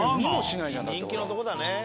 人気のとこだね。